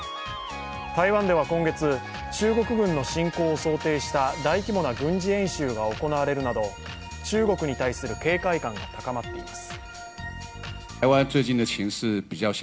台湾では今月、中国軍の侵攻を想定した大規模な軍事演習が行われるなど、中国に対する警戒感が高まっています。